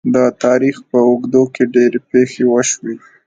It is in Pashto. د تاریخ په اوږدو کې ډیرې پېښې وشوې.